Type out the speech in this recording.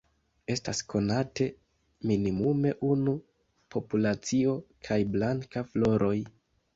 Estas konate minimume unu populacio kun blanka floroj.